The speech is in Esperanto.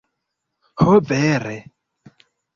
Ho vere...